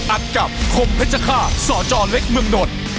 อัดกับคมเพชรฆาตสจเล็กเมืองดล